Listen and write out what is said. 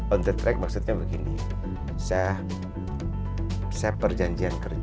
on the track maksudnya begini saya perjanjian kerja saya bilang gak sesuai dengan target ini